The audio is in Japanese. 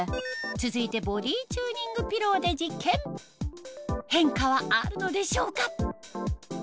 続いてボディーチューニングピローで実験変化はあるのでしょうか？